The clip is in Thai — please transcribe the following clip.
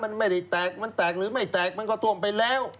มันไม่ได้แตกมันแตกหรือไม่แตกมันก็ท่วมไปแล้ว